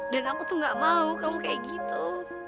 dan aku tuh gak mau kamu kayak gitu